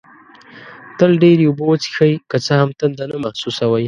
تل ډېري اوبه وڅېښئ، که څه هم تنده نه محسوسوئ